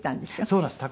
そうなんです。